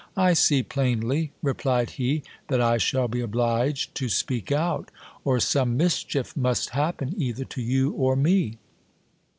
I see plainly, replied he, that I shall be obliged to speak out, or some mischief must happen either to you or me.